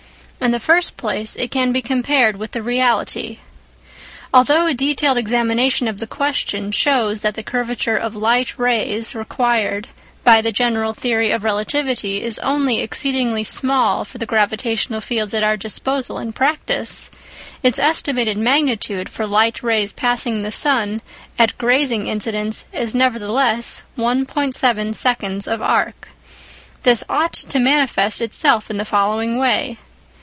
In the first place, it can be compared with the reality. Although a detailed examination of the question shows that the curvature of light rays required by the general theory of relativity is only exceedingly small for the gravitational fields at our disposal in practice, its estimated magnitude for light rays passing the sun at grazing incidence is nevertheless 1.7 seconds of arc. This ought to manifest itself in the following way.